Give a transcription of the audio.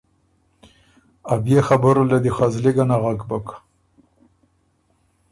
ا بيې خبُره له دی خه زلی ګۀ نغک بُک